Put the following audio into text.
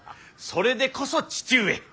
それでこそ父上。